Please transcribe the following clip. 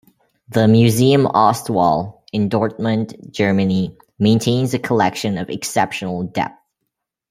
The Museum Ostwall in Dortmund, Germany, maintains a collection of exceptional depth.